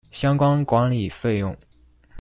相關管理費用